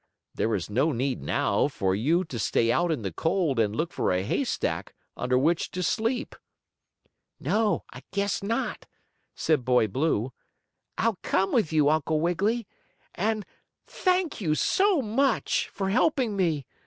There is no need, now, for you to stay out in the cold and look for a haystack under which to sleep." "No, I guess not," said Boy Blue. "I'll come with you, Uncle Wiggily. And thank you, so much, for helping me.